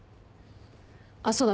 あっそうだ。